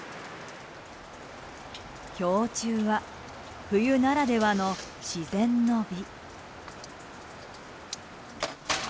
氷柱は冬ならではの自然の美。